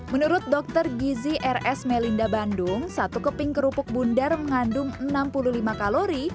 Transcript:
menurut dokter gizi rs melinda bandung satu keping kerupuk bundar mengandung enam puluh lima kalori